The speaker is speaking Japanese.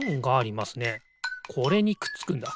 これにくっつくんだ。